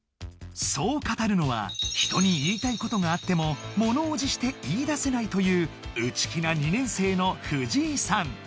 そう語るのは人に言いたいことがあっても物おじして言い出せないという内気な２年生の藤井さん